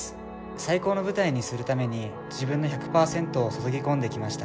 最高の舞台にするために、自分の１００％を注ぎ込んできました。